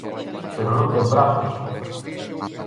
Pero non ten brazos!